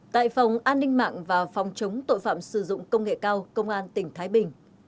tại phòng an ninh mạng và phòng chống tội phạm sử dụng công nghệ cao công an tỉnh thái bình